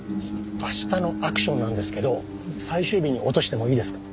明日のアクションなんですけど最終日に落としてもいいですか？